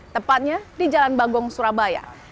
tepatnya di jalan bagong surabaya